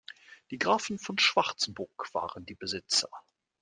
Die Grafen von Schwarzburg waren die Besitzer.